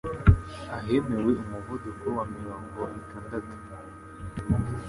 ahemewe umuvuduko wa mirongo itandatu